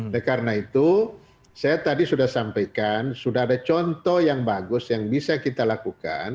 nah karena itu saya tadi sudah sampaikan sudah ada contoh yang bagus yang bisa kita lakukan